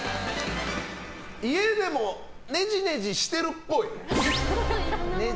家でもねじねじしてるっぽい。